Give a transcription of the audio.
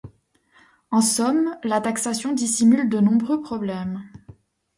En somme, la taxation dissimule de nombreux problèmes.